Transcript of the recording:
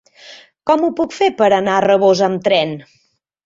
Com ho puc fer per anar a Rabós amb tren?